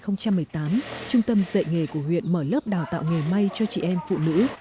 năm hai nghìn một mươi tám trung tâm dạy nghề của huyện mở lớp đào tạo nghề may cho chị em phụ nữ